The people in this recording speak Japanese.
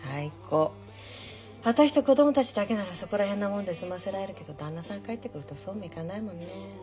私と子供たちだけならそこら辺のもので済ませられるけど旦那さん帰ってくるとそうもいかないもんね。